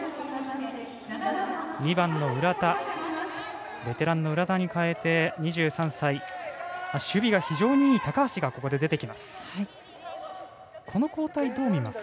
２番の浦田ベテランの浦田に代えて２３歳、守備が非常にいい高橋がここで出てきます。